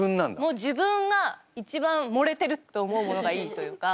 もう自分が一番盛れてるって思うものがいいというか。